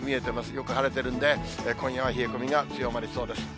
よく晴れてるんで、今夜は冷え込みが強まりそうです。